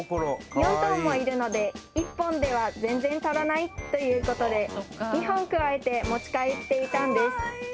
４頭もいるので１本では全然足らないということで２本くわえて持ち帰っていたんです